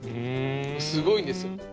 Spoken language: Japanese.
すごいんですよ。